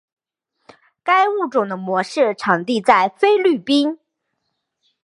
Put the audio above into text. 该物种的模式产地在菲律宾。